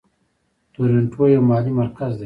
تورنټو یو مالي مرکز دی.